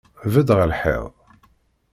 Bedd ɣer lḥiḍ!